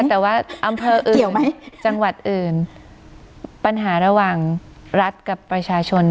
แต่ว่าอำเภออื่นไหมจังหวัดอื่นปัญหาระหว่างรัฐกับประชาชน